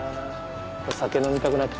お酒飲みたくなっちゃう。